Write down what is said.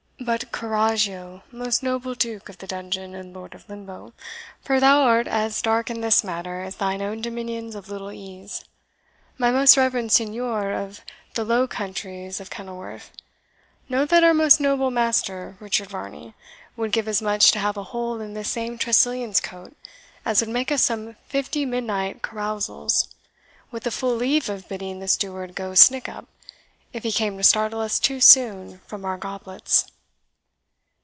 But, corragio, most noble Duke of the Dungeon and Lord of Limbo, for thou art as dark in this matter as thine own dominions of Little ease. My most reverend Signior of the Low Countries of Kenilworth, know that our most notable master, Richard Varney, would give as much to have a hole in this same Tressilian's coat, as would make us some fifty midnight carousals, with the full leave of bidding the steward go snick up, if he came to startle us too soon from our goblets."